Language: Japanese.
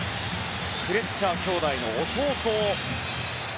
フレッチャー兄弟の弟。